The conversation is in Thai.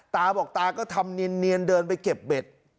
ตาบอกตาก็ทำเนียนเดินไปเก็บเบ็ด